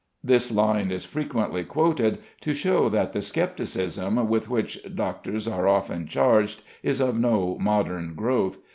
This line is frequently quoted to show that the scepticism with which doctors are often charged is of no modern growth.